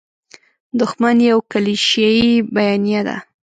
دوښمن یوه کلیشیي بیانیه ده.